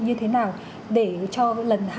như thế nào để cho lần hai